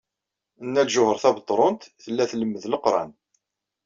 Nna Lǧuheṛ Tabetṛunt tella tlemmed Leqran.